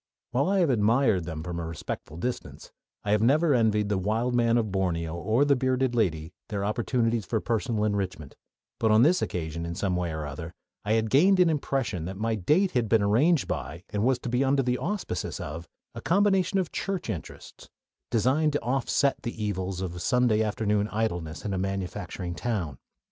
While I have admired them at a respectful distance, I have never envied the wild man of Borneo or the bearded lady their opportunities for personal enrichment; but on this occasion in some way or other I had gained an impression that my date had been arranged by, and was to be under the auspices of, a combination of church interests, designed to offset the evils of Sunday afternoon idleness in a manufacturing town.